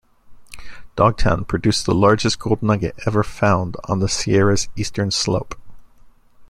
Dog Town produced the largest gold nugget ever found on the Sierra's eastern slope.